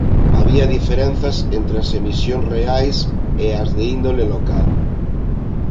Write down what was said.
Había diferenzas entre as emisións reais e as de índole local.